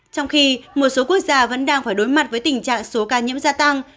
trong khi một số quốc gia vẫn đang phải đối mặt với tình trạng số ca nhiễm gia tăng